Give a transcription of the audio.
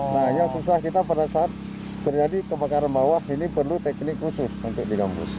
nah yang susah kita pada saat terjadi kebakaran bawah ini perlu teknik khusus untuk di kampus